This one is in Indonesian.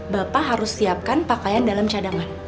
bapak harus siapkan pakaian dalam cadangan